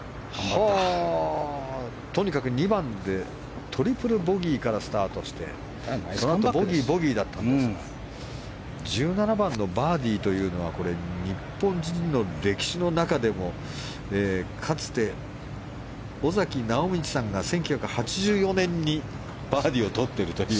とにかく、２番でトリプルボギーからスタートしてそのあとボギー、ボギーだったんですが１７番のバーディーは日本人の歴史の中でもかつて尾崎直道さんが１９８４年にバーディーをとっているという。